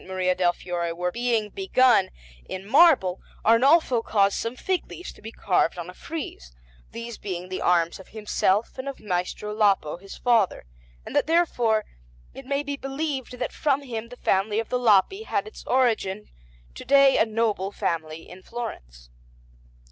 Maria del Fiore were being begun in marble Arnolfo caused some fig leaves to be carved on a frieze, these being the arms of himself and of Maestro Lapo, his father, and that therefore it may be believed that from him the family of the Lapi had its origin, to day a noble family in Florence.